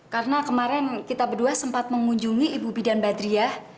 karena kemarin kita berdua sempat mengunjungi ibu bidan badriah